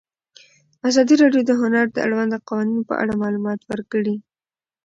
ازادي راډیو د هنر د اړونده قوانینو په اړه معلومات ورکړي.